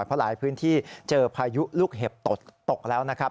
เพราะหลายพื้นที่เจอพายุลูกเห็บตกแล้วนะครับ